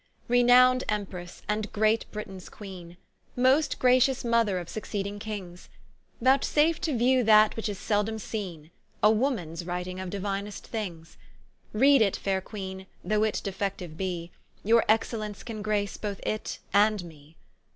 R Enowned Empresse, and great Britaines Queene, Most gratious Mother of succeeding Kings; Vouchsafe to view that which is seldome seene, A Womans writing of diuinest things: Reade it faire Queene, though it defectiue be, Your Excellence can grace both It and Mee.